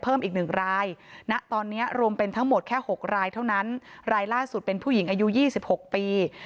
เพิ่มอีก๑รายณตอนนี้รวมเป็นทั้งหมดแค่๖รายเท่านั้นรายล่าสุดเป็นผู้หญิงอายุ๒๖ปี